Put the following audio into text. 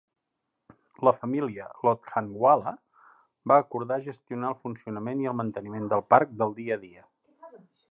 La família Lokhandwala va acordar gestionar el funcionament i el manteniment del parc del dia a dia.